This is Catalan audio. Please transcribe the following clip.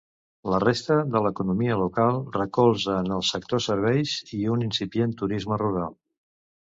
La resta de l'economia local recolza en el sector serveis i un incipient turisme rural.